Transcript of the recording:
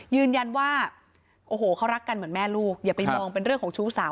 ยืนยันว่าโอ้โหเขารักกันเหมือนแม่ลูกอย่าไปมองเป็นเรื่องของชู้สาว